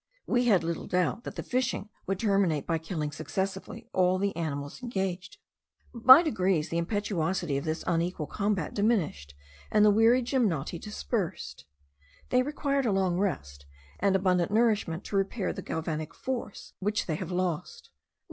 We had little doubt that the fishing would terminate by killing successively all the animals engaged; but by degrees the impetuosity of this unequal combat diminished, and the wearied gymnoti dispersed. They require a long rest, and abundant nourishment, to repair the galvanic force which they have lost.